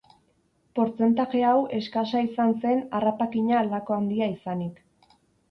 Portzentaje hau eskasa izan zen harrapakina halako handia izanik.